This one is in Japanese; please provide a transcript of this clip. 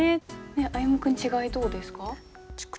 歩夢君違いどうですか？